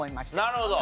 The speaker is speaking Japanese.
なるほど。